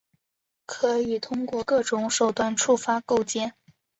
可以通过各种手段触发构建。